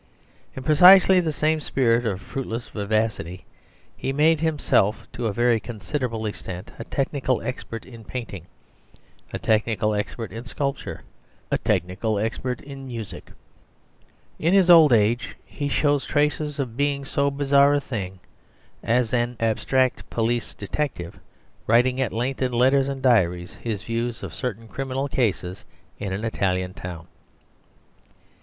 In precisely the same spirit of fruitless vivacity, he made himself to a very considerable extent a technical expert in painting, a technical expert in sculpture, a technical expert in music. In his old age, he shows traces of being so bizarre a thing as an abstract police detective, writing at length in letters and diaries his views of certain criminal cases in an Italian town.